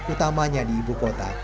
utamanya di ibu kota